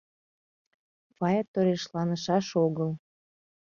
Фая торешланышаш огыл.